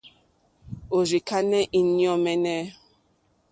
Èrzì kánɛ́ íɲɔ̂ mɛ́nɛ́.